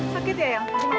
sakit ya yang dimana